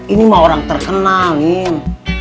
ini mah orang terkenal nen